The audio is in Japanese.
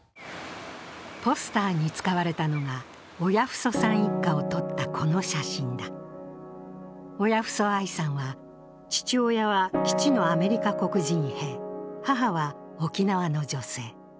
ポスターに使われたのが、親富祖さん一家を撮ったこの写真だ。親冨祖愛さんは父親は基地のアメリカ黒人兵、母は沖縄の女性。